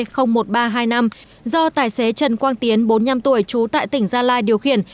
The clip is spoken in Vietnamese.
do tài xế trần quang tiến bốn mươi năm tuổi trú tại tỉnh gia lai điều khiển